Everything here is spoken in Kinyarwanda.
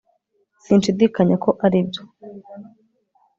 Sinshidikanya ko aribyo